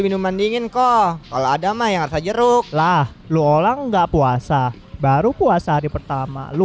yang mendingin kok kalau ada mah yang saja ruklah lu orang enggak puasa baru puasa hari pertama lu